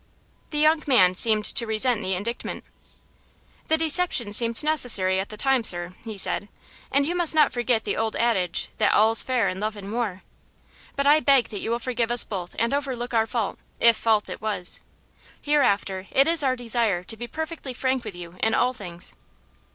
The young man seemed to resent the indictment. "The deception seemed necessary at the time, sir," he said, "and you must not forget the old adage that 'all's fair in love and war.' But I beg that you will forgive us both and overlook our fault, if fault it was. Hereafter it is our desire to be perfectly frank with you in all things."